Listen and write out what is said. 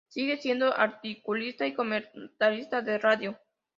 Sigue siendo articulista y comentarista de radio.